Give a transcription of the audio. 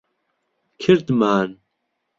کردمان.